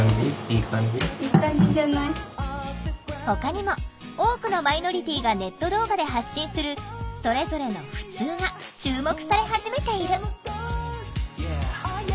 ほかにも多くのマイノリティーがネット動画で発信するそれぞれの「ふつう」が注目され始めている。